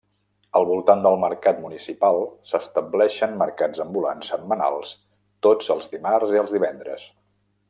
Al voltant del mercat municipal s'estableixen mercats ambulants setmanals tots els dimarts i divendres.